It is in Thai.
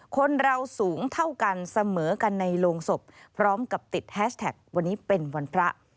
คนเราสูงเท่ากันเสมอกันในโรงศพพร้อมกับติดแฮชแท็กวันนี้เป็นวันพระ